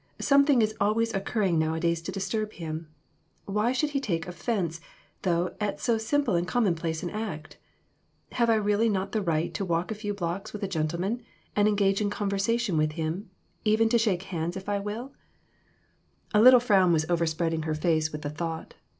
Something is always occurring nowadays to disturb him. Why should he take offense, though, at so simple and commonplace an act ? Have I really not the right to walk a few blocks with a gentleman, and engage in conversation with him, even shake hands if I will ?" 3IO EMBARRASSING QUESTIONS. A little frown was overspreading her face with the thought.